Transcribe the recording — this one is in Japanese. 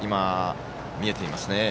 見えていました。